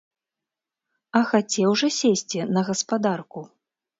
А хацеў жа сесці на гаспадарку?